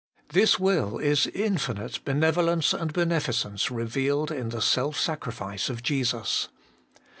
4. This will is Infinite Benevolence and Beneficence revealed in the self sacrifice of Jesus.